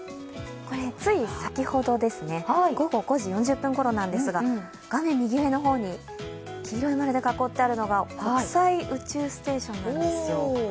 つい先ほどですね、午後５時５０分ほどなんですが画面右上の方に黄色い丸で囲ってあるのが国際宇宙ステーションなんですよ。